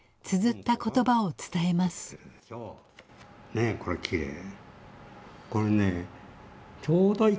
ねえこれきれい。